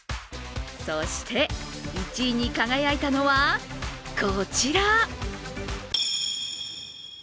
そして１位に輝いたのはこちら！